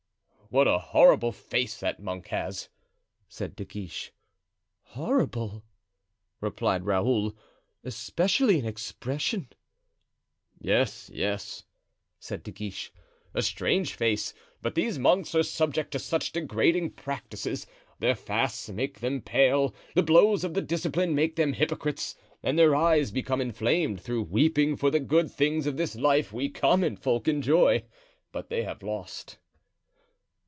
"What a horrible face that monk has," said De Guiche. "Horrible!" replied Raoul, "especially in expression." "Yes, yes," said De Guiche, "a strange face; but these monks are subject to such degrading practices; their fasts make them pale, the blows of the discipline make them hypocrites, and their eyes become inflamed through weeping for the good things of this life we common folk enjoy, but they have lost."